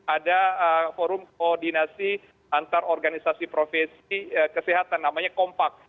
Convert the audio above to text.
ada forum koordinasi antar organisasi profesi kesehatan namanya kompak